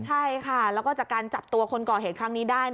ใช่ค่ะแล้วก็จากการจับตัวคนก่อเหตุครั้งนี้ได้